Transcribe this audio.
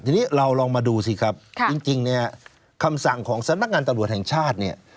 ทีนี้เราลองมาดูสิครับจริงคำสั่งของสนักงานตำรวจแห่งชาติ